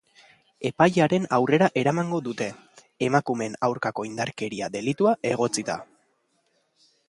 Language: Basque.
Epailearen aurrera eramango dute, emakumeen aurkako indarkeria delitua egotzita.